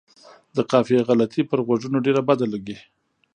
د قافیې غلطي پر غوږونو ډېره بده لګي.